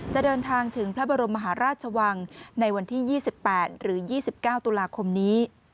จะเดินทางถึงพระบรมมหาราชวังในวันที่๒๘หรือ๒๙ตุลาคมนี้